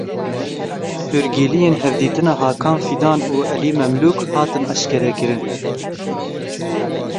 Hûrgiliyên hevdîtina Hakan Fidan û Elî Memlûk hatin eşkerekirin.